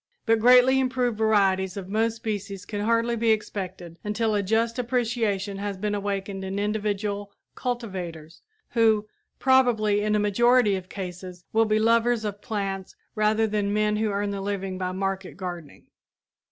But greatly improved varieties of most species can hardly be expected until a just appreciation has been awakened in individual cultivators, who, probably in a majority of cases, will be lovers of plants rather than men who earn their living by market gardening.